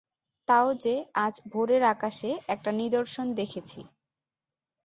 তা ও বে, আজ ভোরের আকাশে, একটা নিদর্শন দেখেছি।